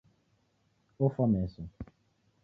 Ofwa meso